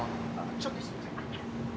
ちょっとすいません。